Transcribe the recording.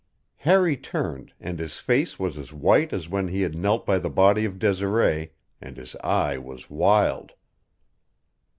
Harry turned, and his face was as white as when he had knelt by the body of Desiree, and his eye was wild.